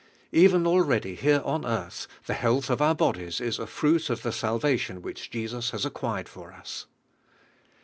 Even already here on earth, the health of our bodies is a Fruit of lie salvation which Jesus has acquired for us.